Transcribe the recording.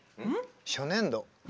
初年度